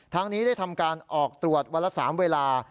นี้ได้ทำการออกตรวจวันละ๓เวลา